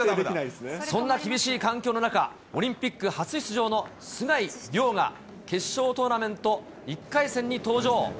そんな厳しい環境の中、オリンピック初出場の須貝龍が、決勝トーナメント１回戦に登場。